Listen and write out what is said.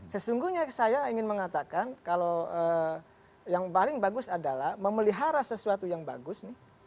sesungguhnya saya ingin mengatakan kalau yang paling bagus adalah memelihara sesuatu yang bagus nih